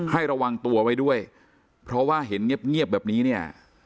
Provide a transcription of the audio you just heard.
ระวังตัวไว้ด้วยเพราะว่าเห็นเงียบแบบนี้เนี่ย